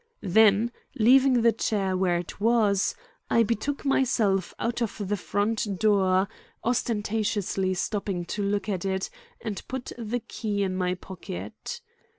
Then, leaving the chair where it was, I betook myself out of the front door, ostentatiously stopping to lock it and to put the key in my pocket.